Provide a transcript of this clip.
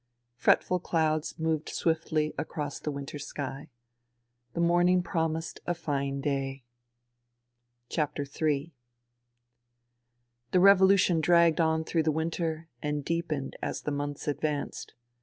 Fretful clouds moved swiftly across the winter sky. The morning promised a fine day. Ill The revolution dragged on through the winter and " deepened " as the months advanced.